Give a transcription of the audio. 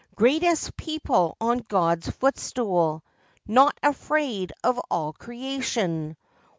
Greatest people on God's footstool! Not afraid of all creation!